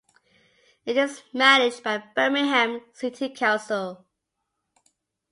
It is managed by Birmingham City Council.